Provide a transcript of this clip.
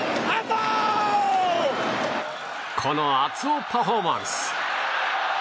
この熱男パフォーマンス。